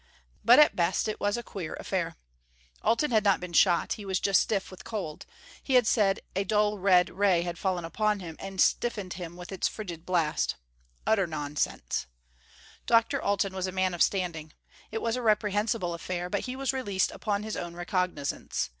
But at best it was a queer affair. Alten had not been shot; he was just stiff with cold; he said a dull red ray had fallen upon him and stiffened him with its frigid blast. Utter nonsense! Dr. Alten was a man of standing. It was a reprehensible affair, but he was released upon his own recognizance.